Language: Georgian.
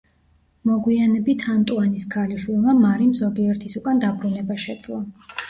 მოგვიანებით ანტუანის ქალიშვილმა, მარიმ ზოგიერთის უკან დაბრუნება შეძლო.